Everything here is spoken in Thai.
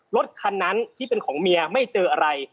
รถคันนั้นที่เป็นของเมียไม่เจออะไร